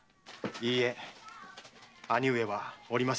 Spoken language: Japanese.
いいえ兄上はおりませんでした。